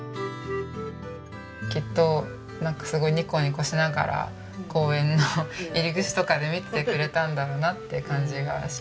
きっとなんかすごくニコニコしながら公園の入り口とかで見ててくれたんだろうなって感じがしますね。